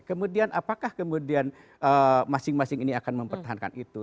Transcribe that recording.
kemudian apakah kemudian masing masing ini akan mempertahankan itu